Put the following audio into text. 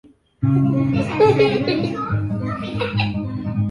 huu uwezeshaji kwa mfano tunavotoa hata nafasi kwa wanawake